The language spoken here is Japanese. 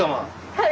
はい。